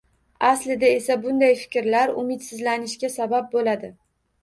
Aslida esa bunday fikrlar umidsizlanishga sabab bo‘ladi